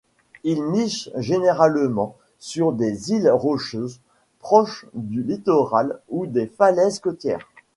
Il niche généralement sur des îles rocheuses proches du littoral ou des falaises côtières.